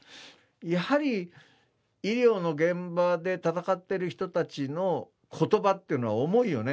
やはり医療の現場で闘っている人たちのことばっていうのは重いよね。